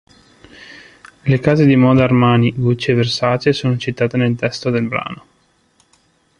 Le case di moda Armani, Gucci e Versace sono citate nel testo del brano.